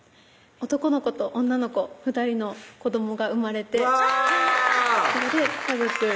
男の子と女の子２人の子どもが生まれてうわ！